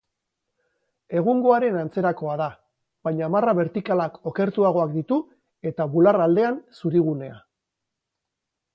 Egungoaren antzerakoa da, baina marra bertikalak okertuagoak ditu eta bular-aldean zuri-gunea.